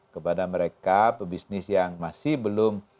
kepada mereka pebisnis yang masih belum